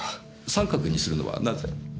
三角にするのはなぜ？